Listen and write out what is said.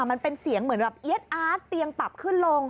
มันเป็นเสียงเหมือนแบบเอี๊ยดอาร์ตเตียงปรับขึ้นลง